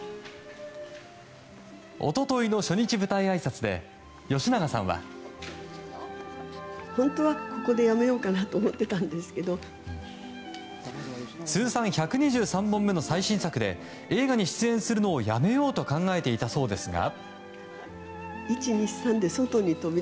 おとといの初日舞台あいさつで吉永さんは。通算１２３本目の最新作で映画に出演するのをやめようと考えていたそうですが。